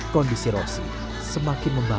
kondisi rosi semakin membaik